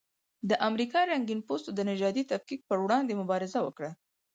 د امریکا رنګین پوستو د نژادي تفکیک پر وړاندې مبارزه وکړه.